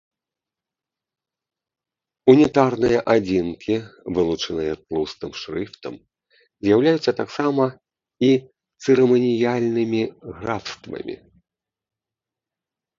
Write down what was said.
Унітарныя адзінкі, вылучаныя тлустым шрыфтам, з'яўляюцца таксама і цырыманіяльнымі графствамі.